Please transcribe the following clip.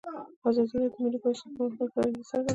ازادي راډیو د مالي پالیسي د پرمختګ په اړه هیله څرګنده کړې.